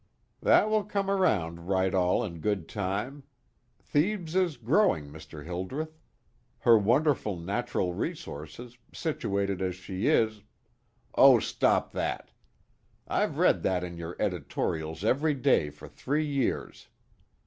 "That will come around right all in good time. Thebes is growing, Mr. Hildreth; her wonderful natural resources, situated as she is " "Oh, stop that! I've read that in your editorials every day for three years.